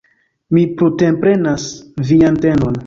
Mi prunteprenas vian tendon.